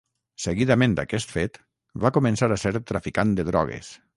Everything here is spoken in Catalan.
Seguidament d'aquest fet va començar a ser traficant de drogues.